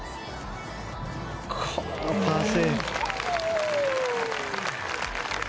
これもパーセーブ。